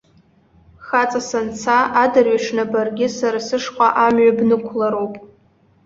Хаҵа санца, адырҩаҽны баргьы сара сышҟа амҩа бнықәлароуп.